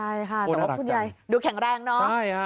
ใช่ค่ะดูแข็งแรงเนาะ